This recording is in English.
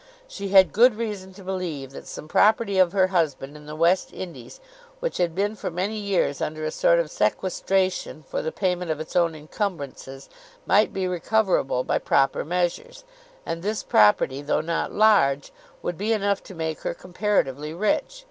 She had good reason to believe that some property of her husband in the West Indies, which had been for many years under a sort of sequestration for the payment of its own incumbrances, might be recoverable by proper measures; and this property, though not large, would be enough to make her comparatively rich.